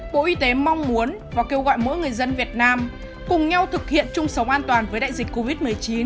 bộ y tế mong muốn và kêu gọi mỗi người dân việt nam cùng nhau thực hiện chung sống an toàn với đại dịch covid một mươi chín